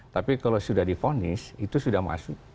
tapi kalau sudah difonis itu sudah masuk